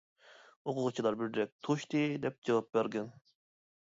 ئوقۇغۇچىلار بىردەك: «توشتى» دەپ جاۋاب بەرگەن.